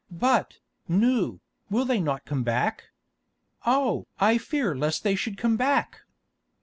"But, Nou, will they not come back? Oh! I fear lest they should come back."